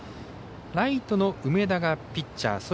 ライトの梅田がピッチャー。